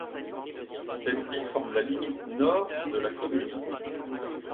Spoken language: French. Celle-ci forme la limite nord de la commune.